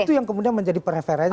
itu yang kemudian menjadi preferensi